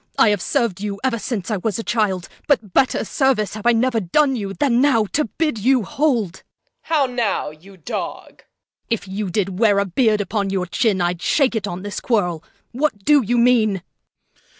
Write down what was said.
I have serv'd you ever since I was a child; But better service have I never done you Than now to bid you hold. Reg. How now, you dog? 1. Serv. If you did wear a beard upon your chin, I'ld shake it on this quarrel. Reg. What do you mean? Corn.